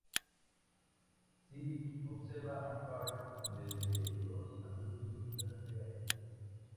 Siddiq observa a Carl desde los arbustos mientras se aleja.